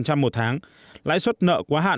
một tháng lãi suất nợ quá hạn